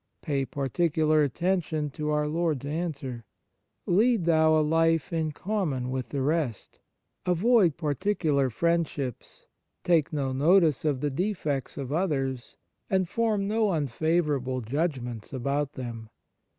Pay particu lar attention to our Lord s answer :" Lead thou a life in common with the rest. Avoid particular friendships. Take no notice of the defects of others, and form no unfavourable judgments about them."